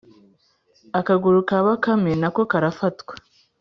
akaguru ka bakame na ko karafatwa.